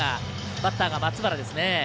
バッターが松原です。